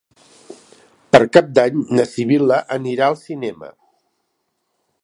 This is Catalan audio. Per Cap d'Any na Sibil·la anirà al cinema.